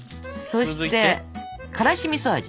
そしてからしみそ味。